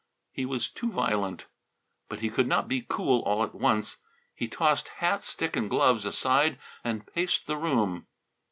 He was too violent. But he could not be cool all at once. He tossed hat, stick, and gloves aside and paced the room.